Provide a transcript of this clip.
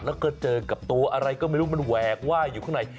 แล้วก็เจอกับตัวอะไรก็ไม่รู้มันแหวกว่ายอยู่ข้างใน